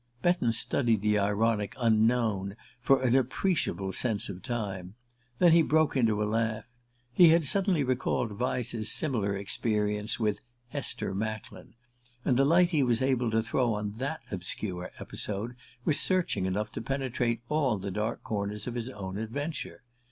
Betton studied the ironic "Unknown" for an appreciable space of time; then he broke into a laugh. He had suddenly recalled Vyse's similar experience with "Hester Macklin," and the light he was able to throw on that obscure episode was searching enough to penetrate all the dark corners of his own adventure.